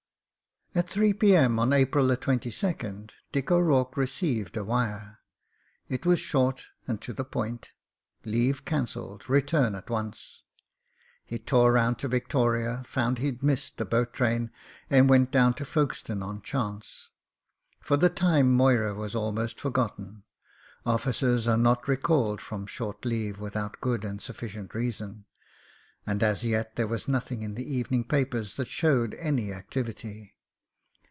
At 3 p.m. on April 22nd Dick O'Rourkc received a wire. It was short and to the point. "Leave can celled. Return at once." He tore round to Victoria, found he'd missed the boat train, and went down to Folkestone on chance. For the time Mo}rra was al most forgotten. Officers are not recalled from short leave without good and sufficient reason; and as yet there was nothing in the evening papers that showed any activity.